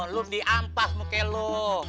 lu di amplas muka lu